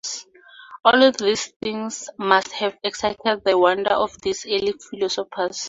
All these things must have excited the wonder of these early philosophers.